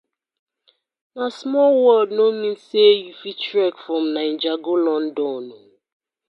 Na small world no mean say you fit trek from Naija go London: